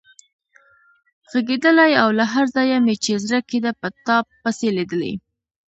غږېدلای او له هر ځایه مې چې زړه کېده په تا پسې لیدلی.